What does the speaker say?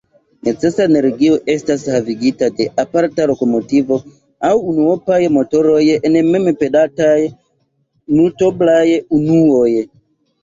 Necesa energio estas havigita de aparta lokomotivo aŭ unuopaj motoroj en mem-pelataj multoblaj unuoj.